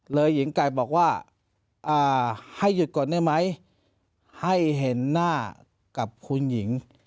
หญิงไก่บอกว่าให้หยุดก่อนได้ไหมให้เห็นหน้ากับคุณหญิง